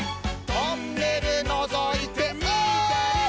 トンネルのぞいておい！